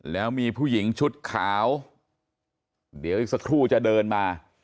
แล้วมีผู้หญิงชุดขาวเดี๋ยวอีกสักครู่จะเดินมา